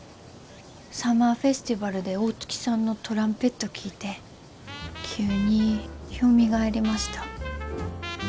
サマーフェスティバルで大月さんのトランペット聴いて急によみがえりました。